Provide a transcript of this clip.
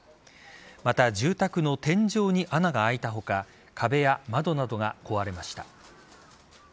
また住宅の天井に穴が開いた他壁や窓などが壊れました。